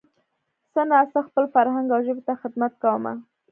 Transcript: څه نا څه خپل فرهنګ او ژبې ته خدمت کومه